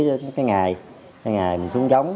từ cái ngày mình xuống trống